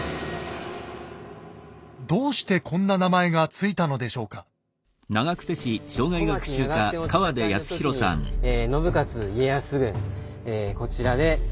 どうしてこんな名前が付いたのでしょうか。と言われております。え？